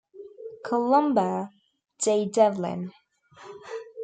Columba J. Devlin.